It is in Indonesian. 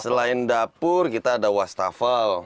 selain dapur kita ada wastafel